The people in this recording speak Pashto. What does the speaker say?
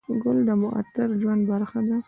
ګل د معطر ژوند برخه ده.